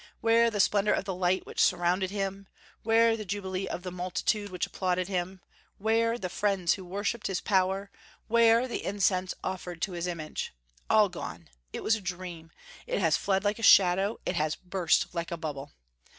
Where the splendor of the light which surrounded him; where the jubilee of the multitude which applauded him; where the friends who worshipped his power; where the incense offered to his image? All gone! It was a dream: it has fled like a shadow; it has burst like a bubble!